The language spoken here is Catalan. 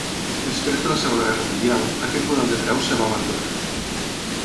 Després de la Segona Guerra mundial, aquest model de preus es va abandonar.